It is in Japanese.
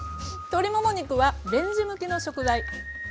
鶏もも肉はレンジ向きの食材。